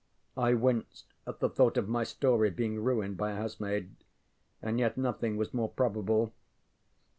ŌĆØ I winced at the thought of my story being ruined by a housemaid. And yet nothing was more probable.